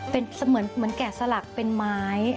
เป็นเหมือนแกะสลักเป็นไม้